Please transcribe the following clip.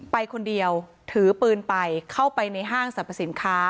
ไปคนเดียวถือปืนไปเข้าไปในห้างสรรพสินค้า